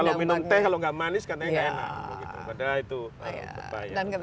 jadi kalau minum teh kalau tidak manis katanya tidak enak